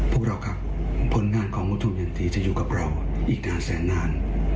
พวกเราครับผลงานของรัฐมนตรีจะอยู่กับเราอีกนานแสนนาน